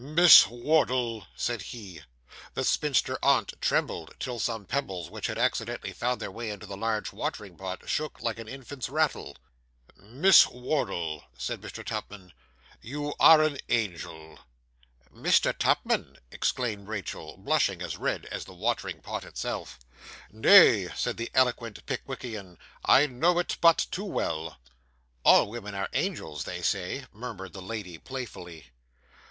'Miss Wardle!' said he. The spinster aunt trembled, till some pebbles which had accidentally found their way into the large watering pot shook like an infant's rattle. 'Miss Wardle,' said Mr. Tupman, 'you are an angel.' 'Mr. Tupman!' exclaimed Rachael, blushing as red as the watering pot itself. 'Nay,' said the eloquent Pickwickian 'I know it but too well.' 'All women are angels, they say,' murmured the lady playfully.